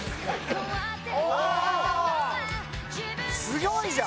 すごい！